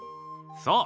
そう！